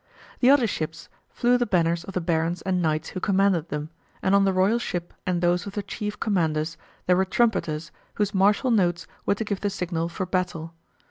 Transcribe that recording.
The other ships flew the banners of the barons and knights who commanded them, and on the royal ship and those of the chief commanders there were trumpeters whose martial notes were to give the signal for battle.